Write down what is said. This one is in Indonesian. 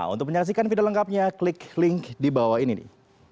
untuk menyaksikan video lengkapnya klik link di bawah ini nih